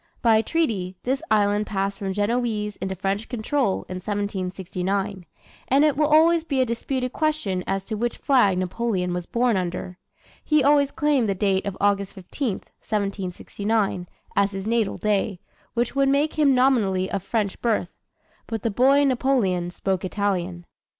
By treaty, this island passed from Genoese into French control in 1769; and it will always be a disputed question as to which flag Napoleon was born under. He always claimed the date of August 15, 1769, as his natal day, which would make him nominally of French birth. But the boy Napoleon spoke Italian.